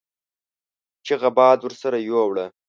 چيغه باد ورسره يو وړه.